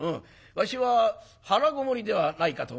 わしは腹籠もりではないかと思うがな」。